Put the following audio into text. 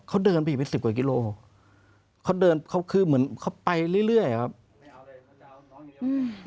เขาเดินไปอีกเป็นสิบกว่ากิโลเขาเดินเขาคือเหมือนเขาไปเรื่อยเรื่อยครับ